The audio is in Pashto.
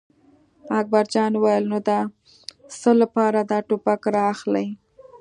اکبر جان وویل: نو د څه لپاره دا ټوپک را اخلې.